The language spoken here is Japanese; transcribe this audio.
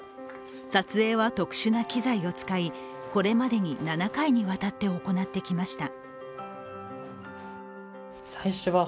撮影は特殊な機材を使いこれまでに７回にわたって行ってきました。